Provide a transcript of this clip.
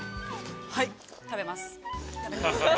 はい、食べます。